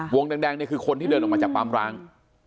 วงแดงเนี่ยคือคนที่เดินออกมาจากปั๊มร้าง